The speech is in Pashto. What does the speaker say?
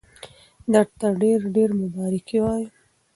درته ډېر ډېر مبارکي وایم.